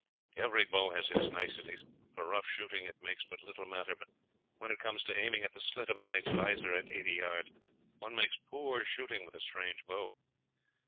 Every bow has its niceties; for rough shooting it makes but little matter, but when it comes to aiming at the slit in a knight's vizor at eighty yards one makes poor shooting with a strange bow."